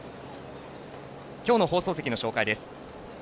今日の放送席の紹介です。